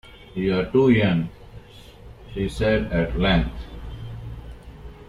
“We are too young,” she said at length.